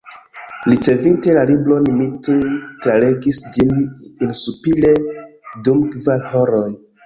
Ricevinte la libron, mi tuj tralegis ĝin unuspire dum kvar horoj.